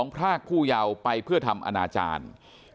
พรากผู้เยาว์ไปเพื่อทำอนาจารย์